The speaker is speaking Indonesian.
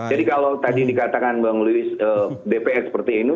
jadi kalau tadi dikatakan bang louis dpr seperti ini